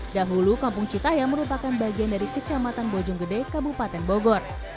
dahulu kampung citaiam merupakan bagian dari kecamatan bojung gede kabupaten bogor